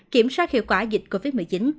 kiểm soát hiệu quả dịch covid một mươi chín